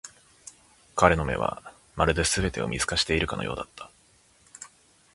彼の目は、まるで全てを見透かしているかのようだった。